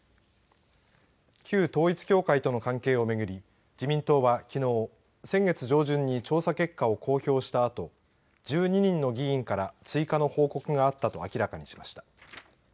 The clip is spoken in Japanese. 旧統一教会との関係を巡り自民党は、きのう先月上旬に調査結果を公表したあと１２人の議員から追加の報告があったと明らかにしました。